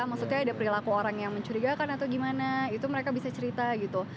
maksudnya ada perilaku orang yang mencurigakan atau gimana itu mereka bisa cerita gitu